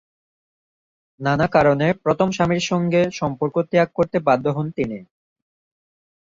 নানা কারণে প্রথম স্বামীর সংগে সম্পর্ক ত্যাগ করতে বাধ্য হন তিনি।